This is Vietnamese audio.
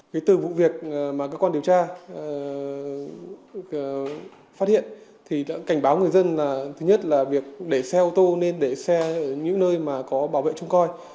cái từ vụ việc mà cơ quan điều tra phát hiện thì đã cảnh báo người dân là thứ nhất là việc để xe ô tô nên để xe ở những nơi mà có bảo vệ trông coi